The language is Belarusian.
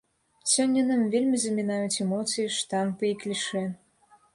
Сёння нам вельмі замінаюць эмоцыі, штампы і клішэ.